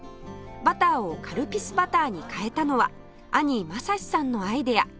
バターをカルピスバターに変えたのは兄まさしさんのアイデア